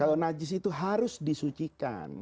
kalau najis itu harus disucikan